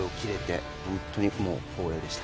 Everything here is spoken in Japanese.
本当にもう光栄でした。